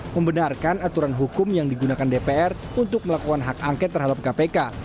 membenarkan aturan hukum yang digunakan dpr untuk melakukan hak angket terhadap kpk